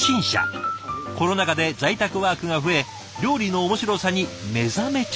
コロナ禍で在宅ワークが増え料理の面白さに目覚めちゃったんだとか。